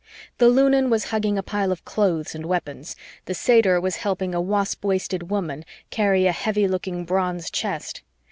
The Lunan was hugging a pile of clothes and weapons. The satyr was helping a wasp waisted woman carry a heavy looking bronze chest.